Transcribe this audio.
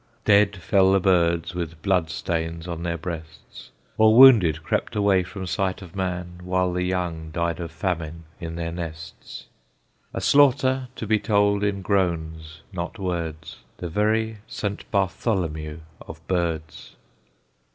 Dead fell the birds, with blood stains on their breasts, Or wounded crept away from sight of man, While the young died of famine in their nests; A slaughter to be told in groans, not words, The very St. Bartholomew of Birds!